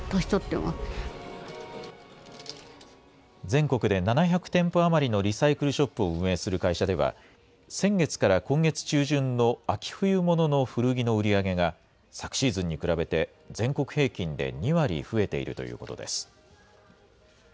全国で７００店舗余りのリサイクルショップを運営する会社では、先月から今月中旬の秋冬物の古着の売り上げが、昨シーズンに比べて全国平均で２割増えているということです。